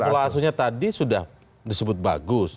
pedoman pola asuhnya tadi sudah disebut bagus